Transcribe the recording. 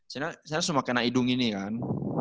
saya cuma kena hidung ini kan